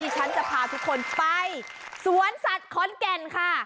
ฉันจะพาทุกคนไปสวนสัตว์ขอนแก่นค่ะ